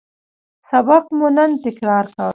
سبق مو نن تکرار کړ